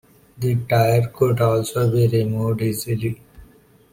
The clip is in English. The tire could also be removed easily.